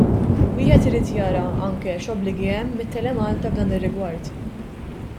Wieħed irid jara anke x'obbligi hemm mit-Telemalta f'dan ir-rigward.